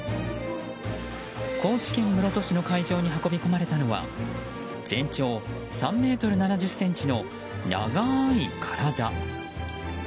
高知県室戸市の会場に運び込まれたのは全長３ｍ７０ｃｍの長い体。